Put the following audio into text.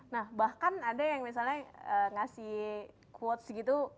nah bahkan ada yang misalnya ngasih quotes gitu